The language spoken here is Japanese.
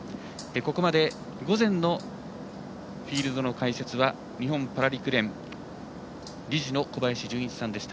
ここまで午前のフィールドの解説は日本パラ陸連理事の小林順一さんでした。